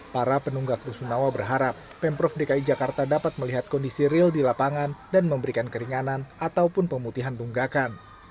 para penunggak rusunawa berharap pemprov dki jakarta dapat melihat kondisi real di lapangan dan memberikan keringanan ataupun pemutihan tunggakan